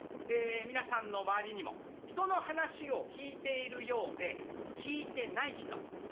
皆さんの周りにも人の話を聞いているようで聞いてない人結構いますね。